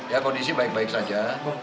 ya kondisi baik baik saja